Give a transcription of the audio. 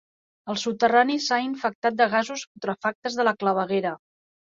El soterrani s'ha infectat de gasos putrefactes de la claveguera.